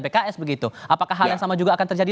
pks begitu apakah hal yang sama juga akan terjadi